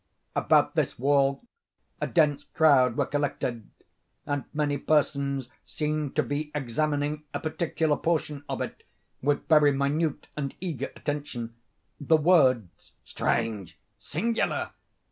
About this wall a dense crowd were collected, and many persons seemed to be examining a particular portion of it with very minute and eager attention. The words "strange!" "singular!"